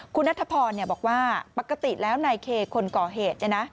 คุณนัทพรบอกว่าปกติแล้วนายเคคนก่อเหตุ